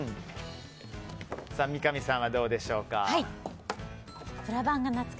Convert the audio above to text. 三上さんはどうでしょうか？